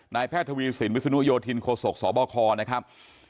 นายแพทย์ทวีโสิโนโยธินโคโศกสบคอนะครับ